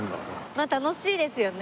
まあ楽しいですよね。